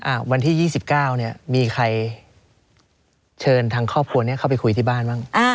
อ่าวันที่๒๙มีใครเชิญทางครอบครัวเข้าไปคุยที่บ้านบ้าง